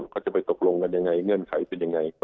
เขาจะไปตกลงกันยังไงเงื่อนไขเป็นยังไง